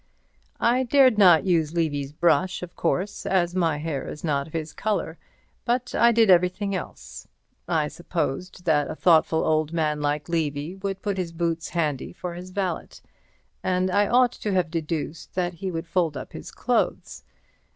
I dared not use Levy's brush, of course, as my hair is not of his colour, but I did everything else. I supposed that a thoughtful old man like Levy would put his boots handy for his valet, and I ought to have deduced that he would fold up his clothes.